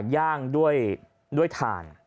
ย่างด้วยถ่าน